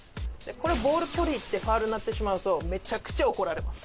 これボール取りにいってファウルになってしまうとめちゃくちゃ怒られます。